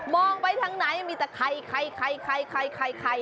มองไปทั้งนายมีแต่ไขว